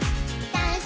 ダンス！